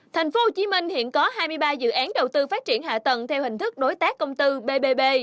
tp hcm hiện có hai mươi ba dự án đầu tư phát triển hạ tầng theo hình thức đối tác công tư bbb